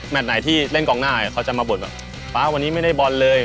ไหนที่เล่นกองหน้าเขาจะมาบ่นว่าป๊าวันนี้ไม่ได้บอลเลย